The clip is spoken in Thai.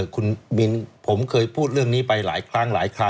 คุณมินผมเคยพูดเรื่องนี้ไปหลายครั้งหลายคราว